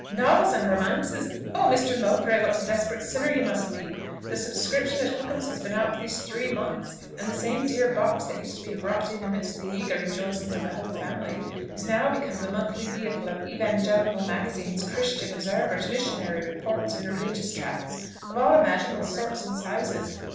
"Novels and romances! Oh! Mr. Mowbray, what a desperate sinner you must be! The subscription at Hookham's has been out these three months; and the same dear box that used to be brought in amidst the eager rejoicings of the whole family, is now become the monthly vehicle of Evangelical Magazines, Christian Observers, Missionary Reports, and Religious Tracts, of all imaginable sorts and sizes.